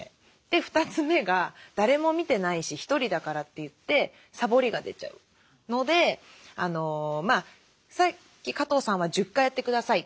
で２つ目が誰も見てないし１人だからっていってさぼりが出ちゃうのでさっき加藤さんは１０回やって下さい。